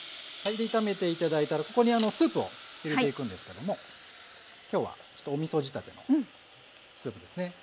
はいで炒めて頂いたらここにスープを入れていくんですけども今日はちょっとおみそ仕立てのスープですね。